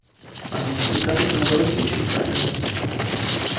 Hanno pubblicato fino ad oggi cinque album ufficiali.